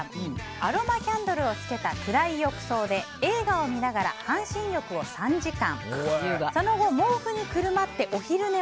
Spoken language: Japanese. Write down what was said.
アロマキャンドルをつけた暗い浴槽で映画を見ながら半身浴を３時間。